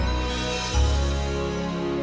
terus ngapain disini ayo